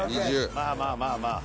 まあまあまあまあ。